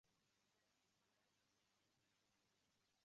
xayoliy mujdalar berishi esa uning tarkibida haqiqat elementlari